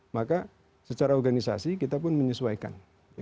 maka secara organisasi kita pun menyesuaikan